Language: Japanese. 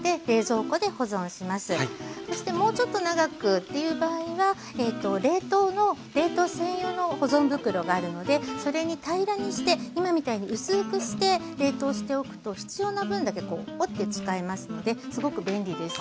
そしてもうちょっと長くっていう場合は冷凍専用の保存袋があるのでそれに平らにして今みたいに薄くして冷凍しておくと必要な分だけ折って使えますのですごく便利です。